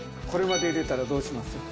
これまで入れたらどうします？